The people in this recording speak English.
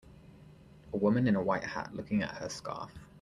A woman in a white hat looking at her scarf.